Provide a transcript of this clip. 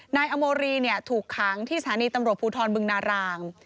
นายอโมรีถูกขังที่สถานีตำรวจภูทรบึงนาราง